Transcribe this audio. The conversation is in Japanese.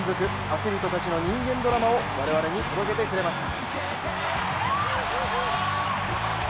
アスリートたちの人間ドラマを我々に届けてくれました。